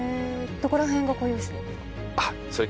どこら辺が固有種なんですか？